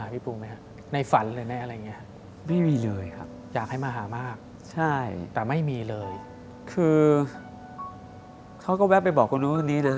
บ๊วยบ๊วยคือเขาก็แวะไปบอกคนดูนี้นะครับ